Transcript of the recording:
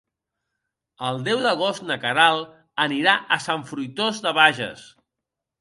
El deu d'agost na Queralt anirà a Sant Fruitós de Bages.